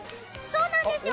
そうなんですよ。